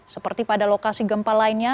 seperti pada lokasi gempa lainnya